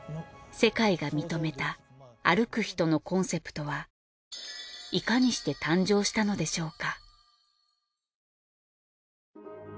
世界が認めた『歩くひと』のコンセプトはいかにして誕生したのでしょうか？